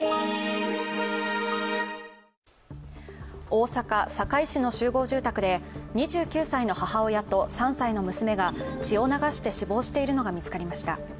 大阪・堺市の集合住宅２９歳の母親と３歳の娘が血を流して死亡しているのが見つかりました。